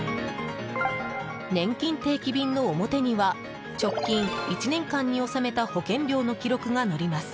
ねんきん定期便の表には直近１年間に納めた保険料の記録が載ります。